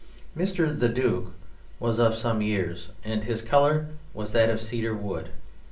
Mr. The Duke was of some years, and his colour was that of cedar wood.